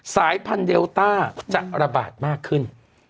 สายพันธุเดลต้าจะระบาดมากขึ้น